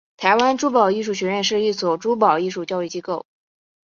台湾珠宝艺术学院是一所珠宝艺术教育机构。